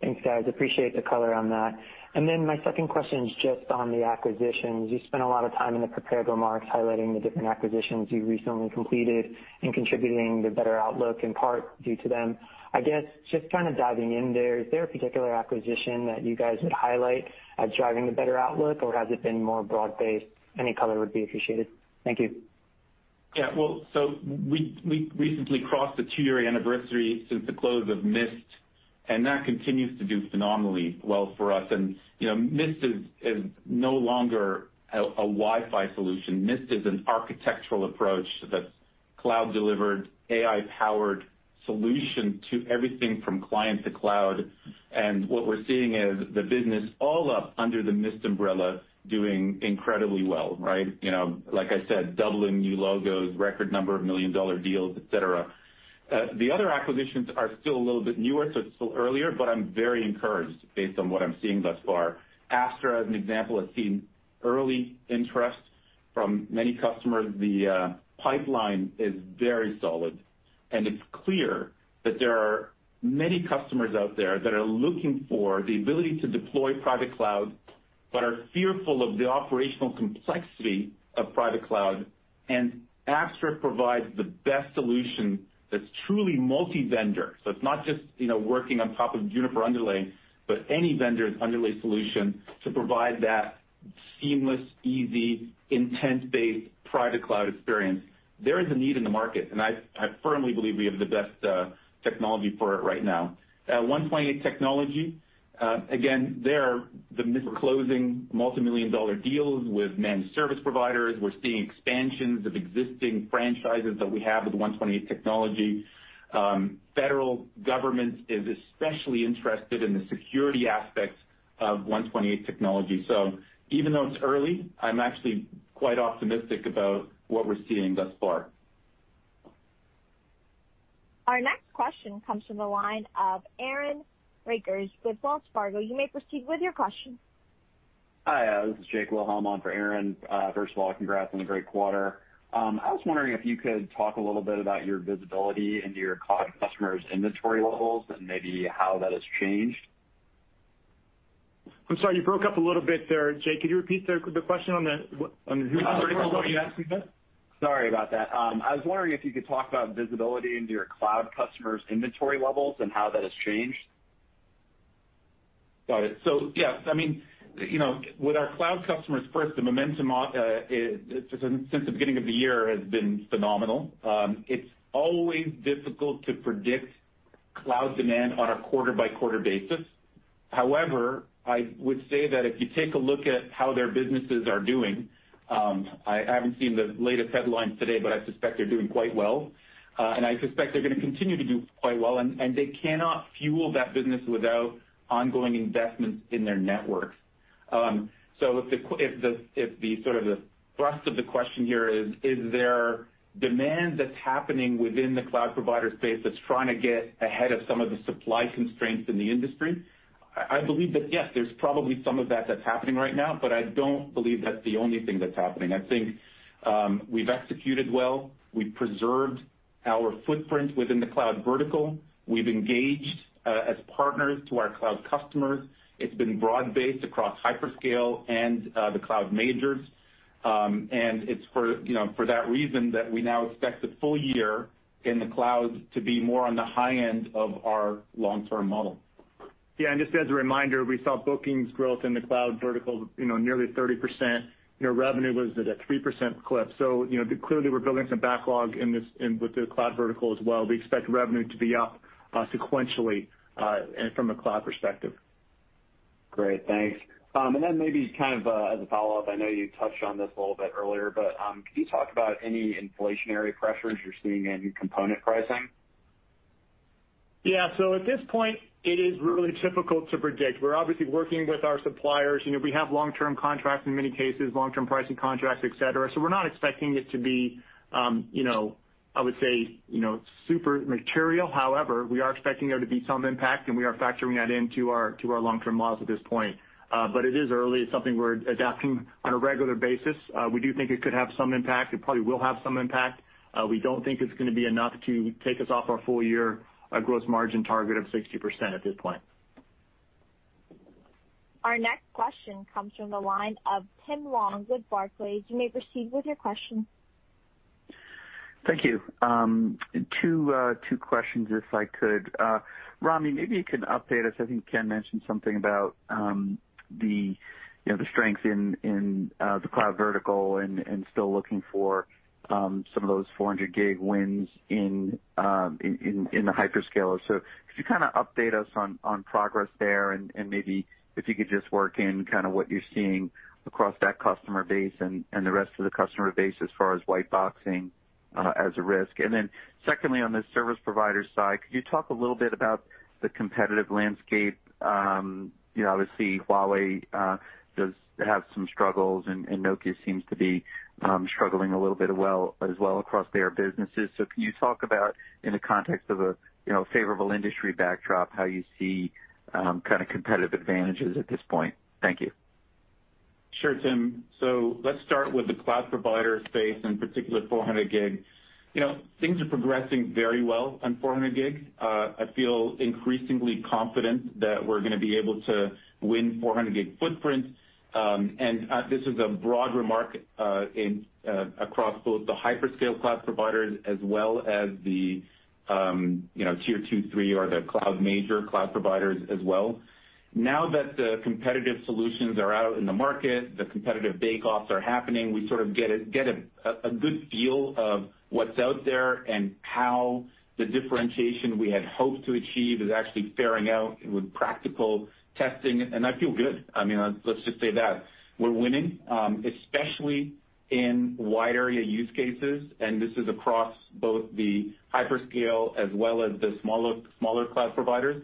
Thanks, guys. Appreciate the color on that. My second question is just on the acquisitions. You spent a lot of time in the prepared remarks highlighting the different acquisitions you recently completed and contributing the better outlook in part due to them. I guess just kind of diving in there, is there a particular acquisition that you guys would highlight as driving the better outlook, or has it been more broad-based? Any color would be appreciated. Thank you. Yeah. We recently crossed the two-year anniversary since the close of Mist, and that continues to do phenomenally well for us. Mist is no longer a Wi-Fi solution. Mist is an architectural approach that's cloud delivered, AI-powered solution to everything from client to cloud. What we're seeing is the business all up under the Mist umbrella doing incredibly well, right? Like I said, doubling new logos, record number of million-dollar deals, et cetera. The other acquisitions are still a little bit newer, so it's still earlier, but I'm very encouraged based on what I'm seeing thus far. Apstra, as an example, has seen early interest from many customers. The pipeline is very solid. It's clear that there are many customers out there that are looking for the ability to deploy private cloud but are fearful of the operational complexity of private cloud. Apstra provides the best solution that's truly multi-vendor. It's not just working on top of Juniper underlay, but any vendor's underlay solution to provide that seamless, easy, intent-based private cloud experience. There is a need in the market, and I firmly believe we have the best technology for it right now. 128 Technology, again, they are closing multimillion-dollar deals with managed service providers. We're seeing expansions of existing franchises that we have with 128 Technology. Federal government is especially interested in the security aspects of 128 Technology. Even though it's early, I'm actually quite optimistic about what we're seeing thus far. Our next question comes from the line of Aaron Rakers with Wells Fargo. You may proceed with your question. Hi, this is Jake Wilhelm on for Aaron. First of all, congrats on the great quarter. I was wondering if you could talk a little bit about your visibility into your cloud customers' inventory levels and maybe how that has changed. I'm sorry, you broke up a little bit there, Jake Wilhelm. Could you repeat the question? Who are you asking that? Sorry about that. I was wondering if you could talk about visibility into your cloud customers' inventory levels and how that has changed? Got it. Yes, with our cloud customers first, the momentum since the beginning of the year has been phenomenal. It's always difficult to predict cloud demand on a quarter-by-quarter basis. However, I would say that if you take a look at how their businesses are doing, I haven't seen the latest headlines today, but I suspect they're doing quite well, and I suspect they're going to continue to do quite well, and they cannot fuel that business without ongoing investments in their networks. If the sort of thrust of the question here is there demand that's happening within the cloud provider space that's trying to get ahead of some of the supply constraints in the industry? I believe that, yes, there's probably some of that that's happening right now, but I don't believe that's the only thing that's happening. I think we've executed well. We've preserved our footprint within the cloud vertical. We've engaged as partners to our cloud customers. It's been broad-based across hyperscale and the cloud majors. It's for that reason that we now expect the full year in the cloud to be more on the high end of our long-term model. Just as a reminder, we saw bookings growth in the cloud vertical nearly 30%. Revenue was at a 3% clip. Clearly, we're building some backlog with the cloud vertical as well. We expect revenue to be up sequentially from a cloud perspective. Great, thanks. Maybe kind of as a follow-up, I know you touched on this a little bit earlier, but could you talk about any inflationary pressures you're seeing in component pricing? Yeah. At this point, it is really difficult to predict. We're obviously working with our suppliers. We have long-term contracts in many cases, long-term pricing contracts, et cetera. We're not expecting it to be, I would say, super material. However, we are expecting there to be some impact, and we are factoring that into our long-term models at this point. It is early. It's something we're adapting on a regular basis. We do think it could have some impact. It probably will have some impact. We don't think it's going to be enough to take us off our full-year gross margin target of 60% at this point. Our next question comes from the line of Tim Long with Barclays. You may proceed with your question. Thank you. Two questions, if I could. Rami, maybe you can update us. I think Ken mentioned something about the strength in the cloud vertical and still looking for some of those 400G wins in the hyperscaler. Could you update us on progress there, and maybe if you could just work in what you're seeing across that customer base and the rest of the customer base as far as white boxing as a risk? Secondly, on the service provider side, could you talk a little bit about the competitive landscape? Obviously, Huawei does have some struggles, and Nokia seems to be struggling a little bit as well across their businesses. Can you talk about, in the context of a favorable industry backdrop, how you see competitive advantages at this point? Thank you. Sure, Tim. Let's start with the cloud provider space, in particular 400G. Things are progressing very well on 400G. I feel increasingly confident that we're going to be able to win 400G footprints. This is a broad remark across both the hyperscale cloud providers as well as the tier two, three or the cloud major cloud providers as well. Now that the competitive solutions are out in the market, the competitive bake-offs are happening. We sort of get a good feel of what's out there and how the differentiation we had hoped to achieve is actually bearing out with practical testing, and I feel good. I mean, let's just say that. We're winning, especially in wide-area use cases, and this is across both the hyperscale as well as the smaller cloud providers.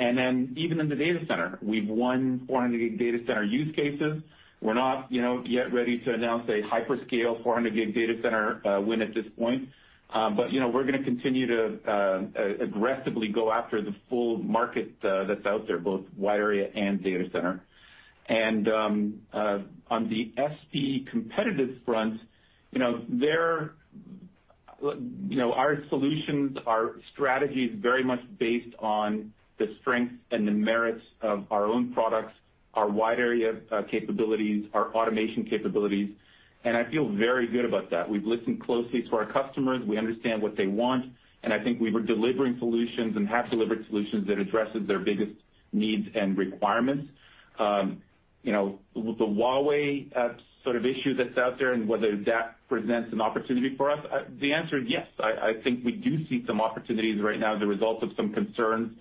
Even in the data center, we've won 400G data center use cases. We're not yet ready to announce a hyperscale 400G data center win at this point. We're going to continue to aggressively go after the full market that's out there, both wide area and data center. On the SP competitive front, our solutions, our strategy is very much based on the strengths and the merits of our own products, our wide area capabilities, our automation capabilities, and I feel very good about that. We've listened closely to our customers. We understand what they want, and I think we were delivering solutions and have delivered solutions that addresses their biggest needs and requirements. With the Huawei sort of issue that's out there and whether that presents an opportunity for us, the answer is yes. I think we do see some opportunities right now as a result of some concern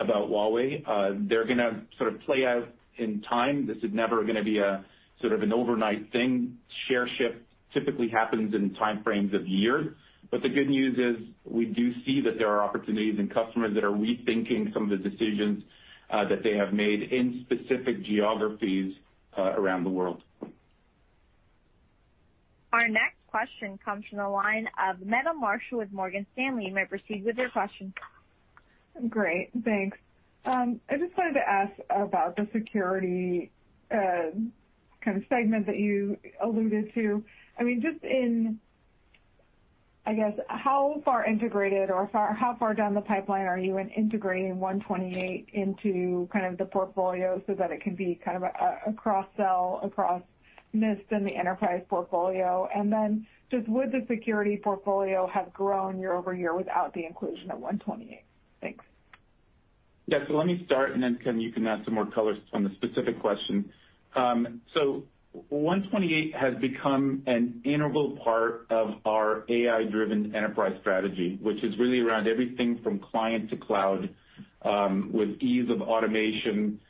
about Huawei. They're going to sort of play out in time. This is never going to be a sort of an overnight thing. Share shift typically happens in time frames of years. The good news is we do see that there are opportunities and customers that are rethinking some of the decisions that they have made in specific geographies around the world. Our next question comes from the line of Meta Marshall with Morgan Stanley. You may proceed with your question. Great, thanks. I just wanted to ask about the security kind of segment that you alluded to. I guess, how far integrated or how far down the pipeline are you in integrating 128 into kind of the portfolio so that it can be kind of a cross-sell across Mist and the enterprise portfolio? Just would the security portfolio have grown year-over-year without the inclusion of 128? Thanks. Let me start, Ken, you can add some more color on the specific question. 128 has become an integral part of our AI-Driven Enterprise strategy, which is really around everything from client to cloud with ease of automation,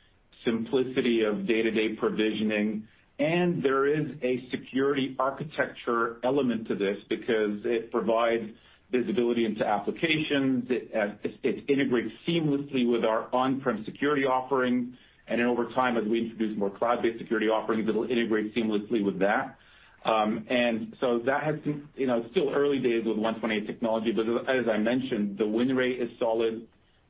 simplicity of day-to-day provisioning. There is a security architecture element to this because it provides visibility into applications. It integrates seamlessly with our on-prem security offering. Over time, as we introduce more cloud-based security offerings, it'll integrate seamlessly with that. Still early days with 128 Technology, but as I mentioned, the win rate is solid.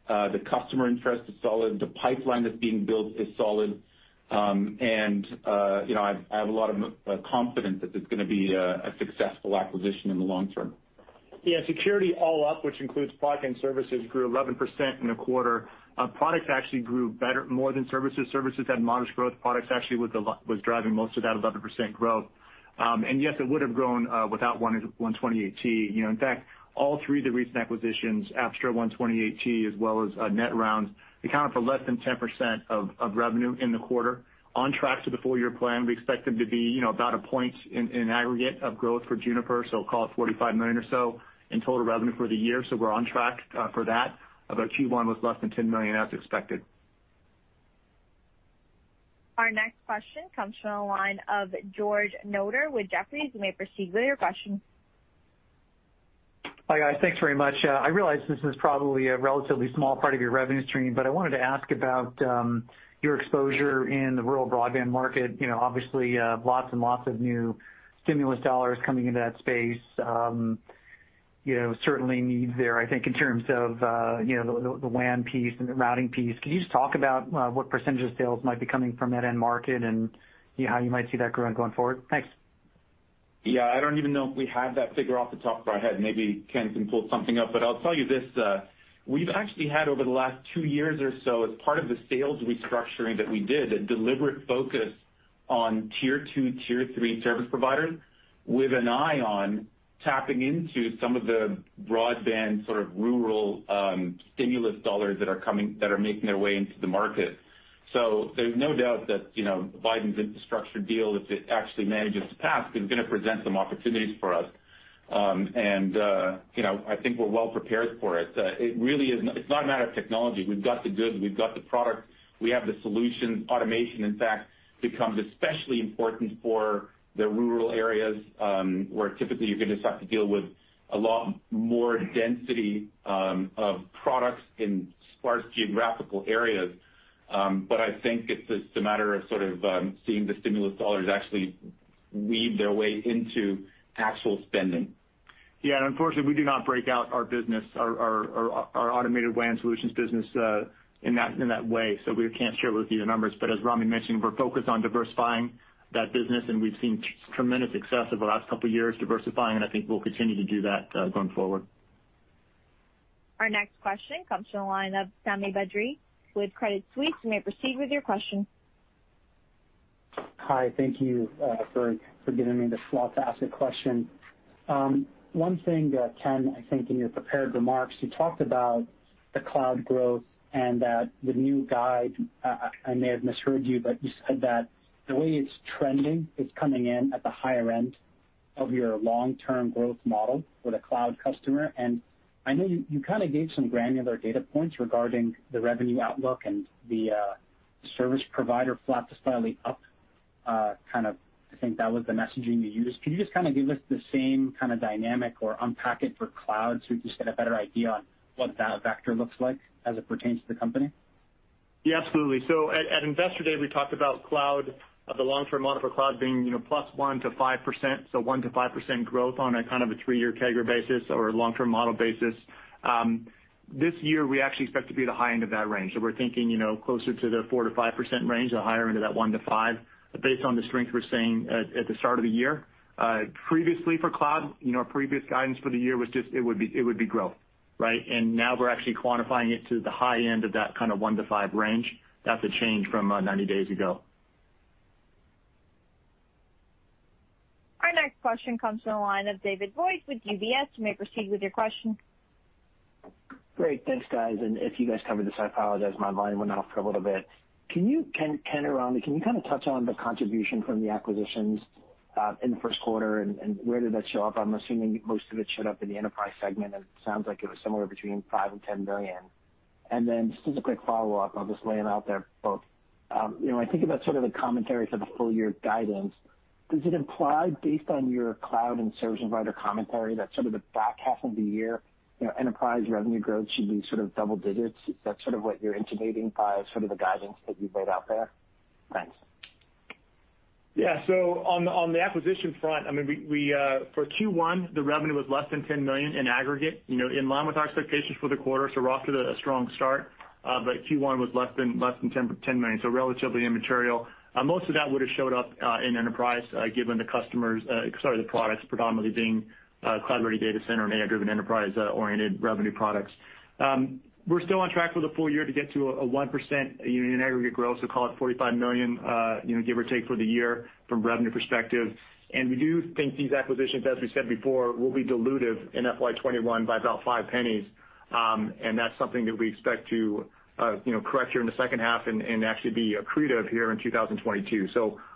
The customer interest is solid. The pipeline that's being built is solid. I have a lot of confidence that it's going to be a successful acquisition in the long term. Yeah. Security all up, which includes product and services, grew 11% in the quarter. Products actually grew more than services. Services had modest growth. Products actually was driving most of that 11% growth. Yes, it would've grown without 128T. In fact, all three of the recent acquisitions, Apstra, 128T, as well as Netrounds, accounted for less than 10% of revenue in the quarter. On track to the full-year plan, we expect them to be about a point in aggregate of growth for Juniper, so call it $45 million or so in total revenue for the year. We're on track for that. Q1 was less than $10 million, as expected. Our next question comes from the line of George Notter with Jefferies. You may proceed with your question. Hi, guys. Thanks very much. I realize this is probably a relatively small part of your revenue stream, but I wanted to ask about your exposure in the rural broadband market. Obviously, lots and lots of new stimulus dollars coming into that space. Certainly needs there, I think, in terms of the LAN piece and the routing piece. Can you just talk about what % of sales might be coming from that end market and how you might see that growing going forward? Thanks. Yeah. I don't even know if we have that figure off the top of our head. Maybe Ken can pull something up. I'll tell you this. We've actually had over the last two years or so, as part of the sales restructuring that we did, a deliberate focus on tier two, tier three service providers with an eye on tapping into some of the broadband sort of rural stimulus dollars that are making their way into the market. There's no doubt that Biden's infrastructure deal, if it actually manages to pass, is going to present some opportunities for us. I think we're well prepared for it. It's not a matter of technology. We've got the goods. We've got the product. We have the solutions. Automation, in fact, becomes especially important for the rural areas, where typically you're going to just have to deal with a lot more density of products in sparse geographical areas. I think it's just a matter of sort of seeing the stimulus dollars actually weave their way into actual spending. Yeah. Unfortunately, we do not break out our Automated WAN solutions business in that way, so we can't share with you the numbers. As Rami mentioned, we're focused on diversifying that business, and we've seen tremendous success over the last couple of years diversifying, and I think we'll continue to do that going forward. Our next question comes from the line of Sami Badri with Credit Suisse. You may proceed with your question. Hi. Thank you for giving me the slot to ask a question. One thing, Ken, I think in your prepared remarks, you talked about the cloud growth and that the new guide, I may have misheard you, but you said that the way it's trending is coming in at the higher end of your long-term growth model for the cloud customer. I know you kind of gave some granular data points regarding the revenue outlook and the service provider flat to slightly up, I think that was the messaging you used. Can you just kind of give us the same kind of dynamic or unpack it for cloud so we just get a better idea on what that vector looks like as it pertains to the company? Yeah, absolutely. At Investor Day, we talked about the long-term model for cloud being +1%-5%, 1%-5% growth on a kind of a three-year CAGR basis or a long-term model basis. This year, we actually expect to be at the high end of that range. We're thinking closer to the 4%-5% range, the higher end of that one to five, based on the strength we're seeing at the start of the year. Previously for cloud, our previous guidance for the year was just it would be growth. Right? Now we're actually quantifying it to the high end of that kind of one to five range. That's a change from 90 days ago. Our next question comes from the line of David Vogt with UBS. You may proceed with your question. Great. Thanks, guys. If you guys covered this, I apologize. My volume went off for a little bit. Ken or Rami, can you kind of touch on the contribution from the acquisitions in the first quarter and where did that show up? I am assuming most of it showed up in the enterprise segment, and it sounds like it was somewhere between $5 million and $10 million. Just as a quick follow-up, I will just lay them out there both. I think about sort of the commentary for the full-year guidance. Does it imply based on your cloud and service provider commentary that sort of the back half of the year enterprise revenue growth should be sort of double digits? Is that sort of what you are intimating by sort of the guidance that you have laid out there? Thanks. Yeah. On the acquisition front, for Q1, the revenue was less than $10 million in aggregate, in line with our expectations for the quarter. Q1 was less than $10 million, so relatively immaterial. Most of that would've showed up in enterprise, given the products predominantly being Cloud-Ready Data Center and AI-Driven Enterprise oriented revenue products. We're still on track for the full year to get to a 1% unit aggregate growth, so call it $45 million, give or take for the year from a revenue perspective. We do think these acquisitions, as we said before, will be dilutive in FY 2021 by about $0.05, and that's something that we expect to correct here in the second half and actually be accretive here in 2022.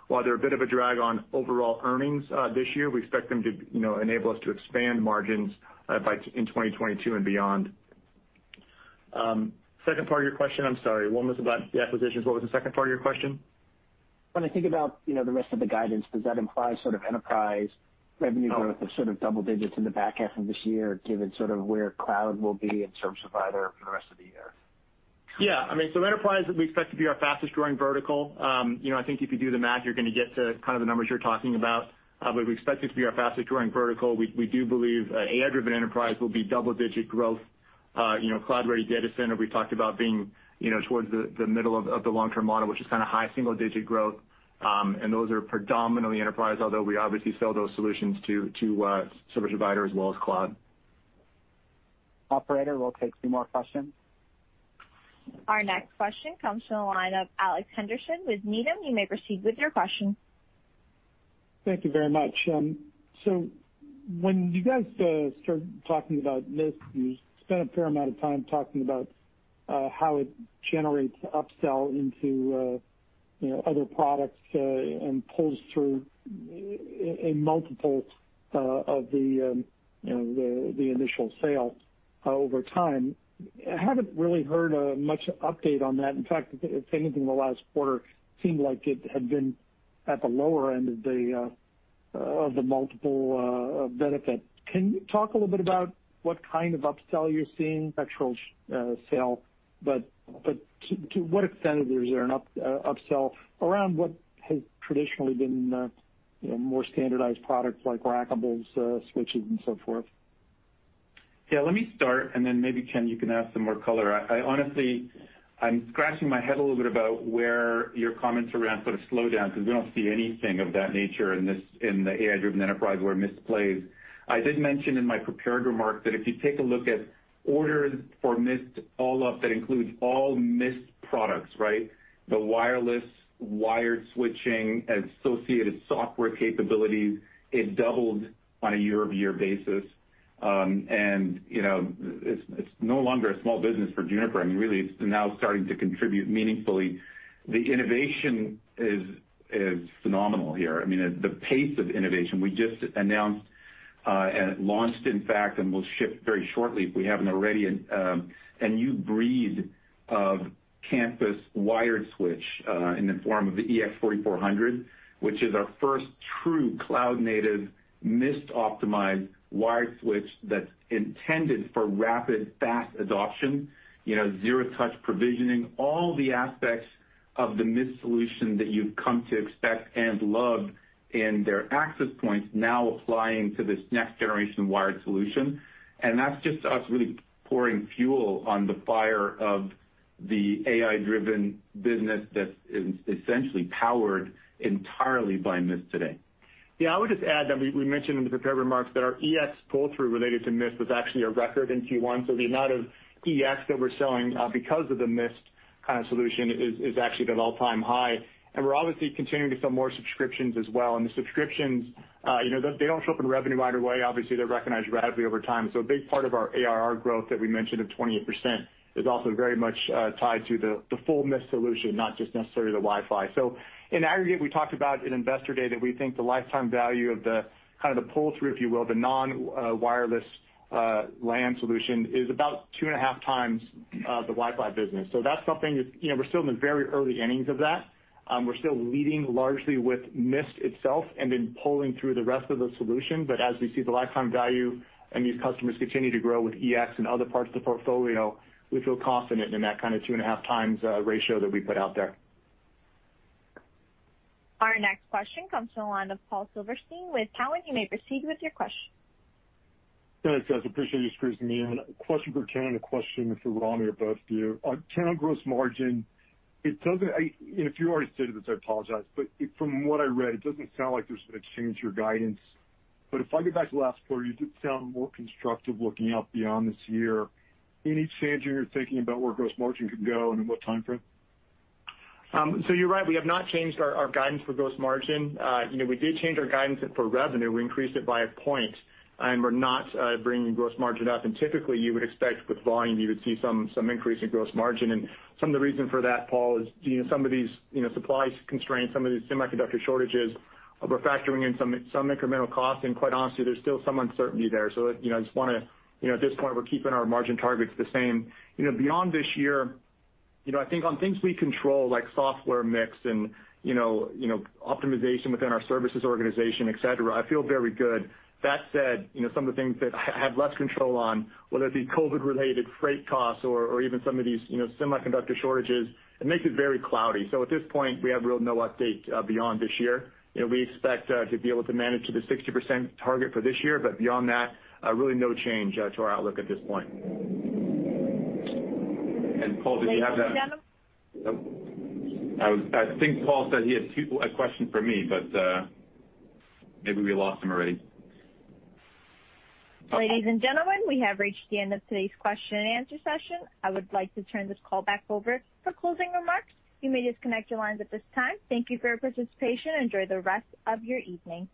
While they're a bit of a drag on overall earnings this year, we expect them to enable us to expand margins in 2022 and beyond. Second part of your question, I'm sorry. One was about the acquisitions. What was the second part of your question? When I think about the rest of the guidance, does that imply sort of enterprise revenue growth of sort of double digits in the back half of this year given sort of where cloud will be and service provider for the rest of the year? Yeah. Enterprise, we expect to be our fastest growing vertical. I think if you do the math, you're going to get to the numbers you're talking about. We expect it to be our fastest growing vertical. We do believe AI-Driven Enterprise will be double-digit growth. Cloud-Ready Data Center, we talked about being towards the middle of the long-term model, which is high single-digit growth. Those are predominantly enterprise, although we obviously sell those solutions to service providers as well as cloud. Operator, we'll take two more questions. Our next question comes from the line of Alex Henderson with Needham & Company. You may proceed with your question. Thank you very much. When you guys started talking about Mist, you spent a fair amount of time talking about how it generates upsell into other products and pulls through a multiple of the initial sale over time. I haven't really heard much update on that. In fact, if anything, the last quarter seemed like it had been at the lower end of the multiple benefit. Can you talk a little bit about what kind of upsell you're seeing, actual sale, but to what extent is there an upsell around what has traditionally been more standardized products like rackables, switches, and so forth? Yeah, let me start, and then maybe, Ken, you can add some more color. I honestly, I'm scratching my head a little bit about where your comments around sort of slowdown, because we don't see anything of that nature in the AI-Driven Enterprise where Mist plays. I did mention in my prepared remarks that if you take a look at orders for Mist all up, that includes all Mist products, right? The wireless, wired switching, and associated software capabilities, it doubled on a year-over-year basis. It's no longer a small business for Juniper. Really, it's now starting to contribute meaningfully. The innovation is phenomenal here. The pace of innovation, we just announced, and it launched, in fact, and will ship very shortly if we haven't already, a new breed of campus wired switch in the form of the EX4400, which is our first true cloud-native, Mist-optimized wired switch that's intended for rapid, fast adoption. Zero-touch provisioning, all the aspects of the Mist solution that you've come to expect and love in their access points now applying to this next generation wired solution. That's just us really pouring fuel on the fire of the AI-driven business that is essentially powered entirely by Mist today. Yeah, I would just add that we mentioned in the prepared remarks that our EX pull-through related to Mist was actually a record in Q1. The amount of EX that we're selling because of the Mist kind of solution is actually at an all-time high. We're obviously continuing to sell more subscriptions as well. The subscriptions, they don't show up in revenue right away. Obviously, they're recognized gradually over time. A big part of our ARR growth that we mentioned of 28% is also very much tied to the full Mist solution, not just necessarily the Wi-Fi. In aggregate, we talked about in Investor Day that we think the lifetime value of the pull through, if you will, the non-Wireless LAN solution is about two and a half times the Wi-Fi business. That's something that we're still in the very early innings of that. We're still leading largely with Mist itself and then pulling through the rest of the solution. As we see the lifetime value and these customers continue to grow with EX and other parts of the portfolio, we feel confident in that kind of 2.5x ratio that we put out there. Our next question comes from the line of Paul Silverstein with TD Cowen. You may proceed with your question. Thanks, guys. Appreciate you squeezing me in. A question for Ken, a question for Rami, or both of you. On channel gross margin, if you already stated this, I apologize, from what I read, it doesn't sound like there's been a change to your guidance. If I go back to last quarter, you did sound more constructive looking out beyond this year. Any change in your thinking about where gross margin could go and in what timeframe? You're right, we have not changed our guidance for gross margin. We did change our guidance for revenue. We increased it by a point, and we're not bringing gross margin up. Typically, you would expect with volume, you would see some increase in gross margin. Some of the reason for that, Paul, is some of these supply constraints, some of the semiconductor shortages, we're factoring in some incremental costs, and quite honestly, there's still some uncertainty there. At this point, we're keeping our margin targets the same. Beyond this year, I think on things we control, like software mix and optimization within our services organization, et cetera, I feel very good. That said some of the things that I have less control on, whether it be COVID-related freight costs or even some of these semiconductor shortages, it makes it very cloudy. At this point, we have really no update beyond this year. We expect to be able to manage to the 60% target for this year, but beyond that, really no change to our outlook at this point. Paul, did you have that? Ladies and gentlemen. I think Paul said he had a question for me, but maybe we lost him already. Ladies and gentlemen, we have reached the end of today's question and answer session. I would like to turn this call back over for closing remarks. You may disconnect your lines at this time. Thank you for your participation. Enjoy the rest of your evening.